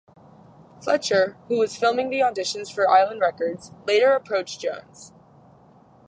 Fletcher, who was filming the auditions for Island Records, later approached Jones.